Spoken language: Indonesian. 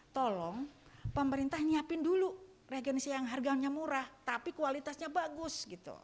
tolong pemerintah nyiapin dulu regensi yang harganya murah tapi kualitasnya bagus gitu